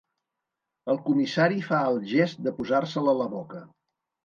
El comissari fa el gest de posar-se'l a la boca.